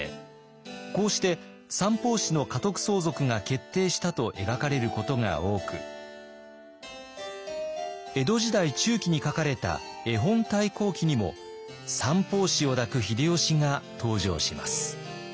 こうして三法師の家督相続が決定したと描かれることが多く江戸時代中期に書かれた「絵本太閤記」にも三法師を抱く秀吉が登場します。